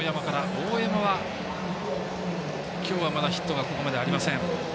大山は今日ヒットはここまでありません。